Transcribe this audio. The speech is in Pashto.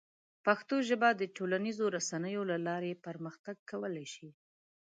پښتو ژبه د ټولنیزو رسنیو له لارې پرمختګ کولی شي.